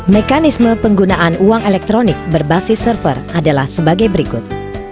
mekanisme penggunaan uang elektronik berbasis server adalah sebagai berikut